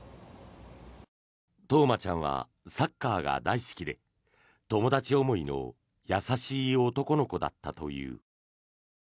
冬生ちゃんはサッカーが大好きで友達思いの優しい男の子だったという。